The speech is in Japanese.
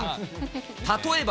例えば。